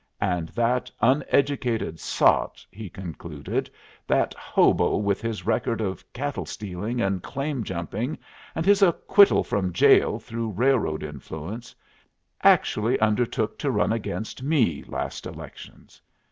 "And that uneducated sot," he concluded, "that hobo with his record of cattle stealing and claim jumping, and his acquittal from jail through railroad influence, actually undertook to run against me last elections.